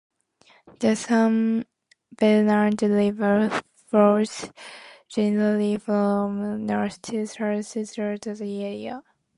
The San Bernard River flows generally from north to south through the area.